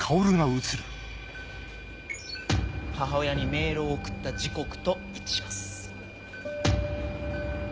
母親にメールを送った時刻と一致します。